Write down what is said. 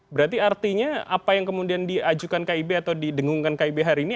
berarti artinya apa yang kemudian diajukan kib atau didengungkan kib hari ini